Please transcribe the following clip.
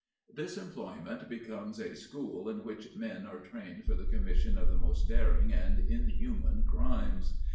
This employment becomes a school in which men are trained for the commission of the most daring and inhuman crimes.